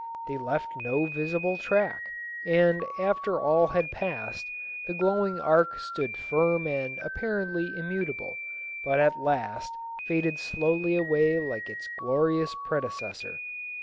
They left no visible track, and after all had passed the glowing arc stood firm and apparently immutable, but at last faded slowly away like its glorious predecessor.